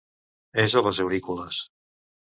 És a les aurícules.